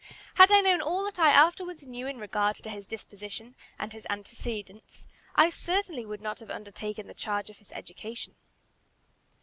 Had I known all that I afterwards knew in regard to his disposition and his antecedents, I certainly would not have undertaken the charge of his education.